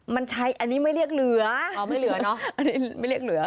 มันใช้อันนี้ไม่เรียกเหลืออ๋อไม่เหลือเนอะอันนี้ไม่เรียกเหลือ